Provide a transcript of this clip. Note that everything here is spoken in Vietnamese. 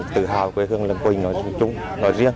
tự hào quê hương lan quỳnh nói riêng